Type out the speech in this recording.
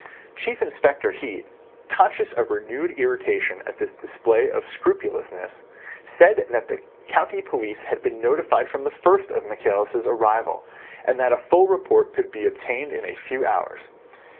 Chief Inspector Heat, conscious of renewed irritation at this display of scrupulousness, said that the county police had been notified from the first of Michaelis' arrival, and that a full report could be obtained in a few hours.